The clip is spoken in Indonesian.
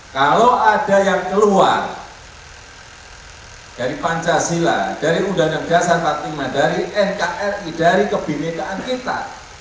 kalau ada yang keluar dari pancasila dari udang negara sarvati madari nkri dari kebimedahan kita